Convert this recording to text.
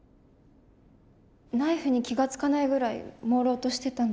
ナイフに気が付かないぐらいもうろうとしてたんだと思います。